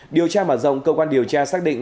điều tra mở rộng cơ quan điều tra xác định